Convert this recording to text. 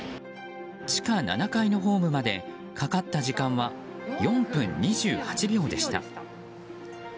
地下７階のホームまでかかった時間は４分２８秒でした。